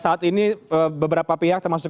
saat ini beberapa pihak termasuk